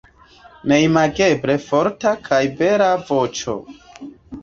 Neimageble forta kaj bela voĉo.